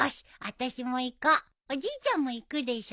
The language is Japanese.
おじいちゃんも行くでしょ？